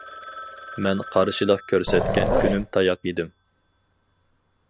مەن قارشىلىق كۆرسەتكەن كۈنۈم تاياق يېدىم.